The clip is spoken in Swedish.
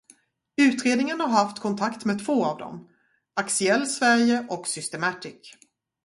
Utredningen har haft kontakt med två av dem, Axiell Sverige och Systematic.